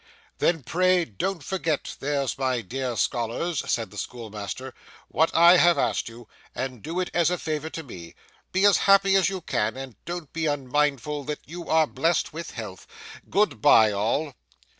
'Then pray don't forget, there's my dear scholars,' said the schoolmaster, 'what I have asked you, and do it as a favour to me. Be as happy as you can, and don't be unmindful that you are blessed with health. Good bye all!